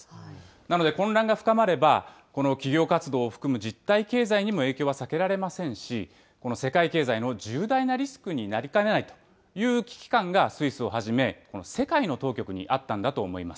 なので、混乱が深まれば、この企業活動を含む実体経済にも影響は避けられませんし、この世界経済の重大なリスクになりかねないという危機感がスイスをはじめ、世界の当局にあったんだと思います。